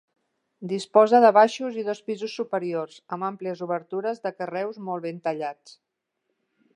Disposa de baixos i dos pisos superiors amb àmplies obertures de carreus molt ben tallats.